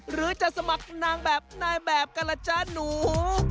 หรือจะสมัครนางแบบนายแบบกันล่ะจ๊ะหนู